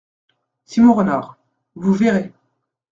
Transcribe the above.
Simon Renard Vous verrez.